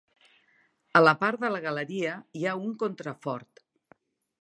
A la part de la galeria hi ha un contrafort.